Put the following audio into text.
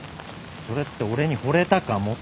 それって俺にほれたかもってこと？